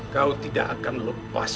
kau tidak akan lepas